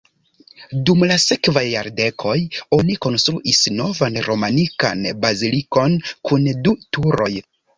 Dum la sekvaj jardekoj oni konstruis novan romanikan bazilikon kun du turoj.